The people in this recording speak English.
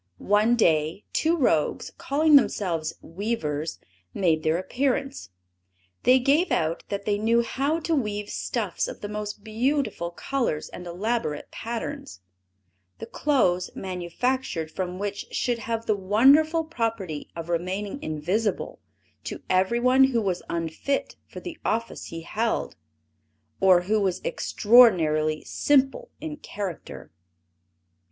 One day, two rogues, calling themselves weavers, made their appearance. They gave out that they knew how to weave stuffs of the most beautiful colors and elaborate patterns, the clothes manufactured from which should have the wonderful property of remaining invisible to everyone who was unfit for the office he held, or who was extraordinarily simple in character.